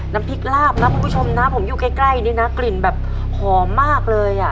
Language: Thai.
น้ำพริกลาบนะคุณผู้ชมนะผมอยู่ใกล้นี่นะกลิ่นแบบหอมมากเลยอ่ะ